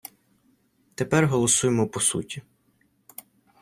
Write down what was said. Тепер голосуємо по суті.